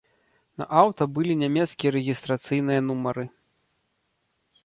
На аўта былі нямецкія рэгістрацыйныя нумары.